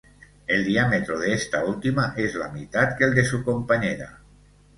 El diámetro de esta última es la mitad que el de su compañera.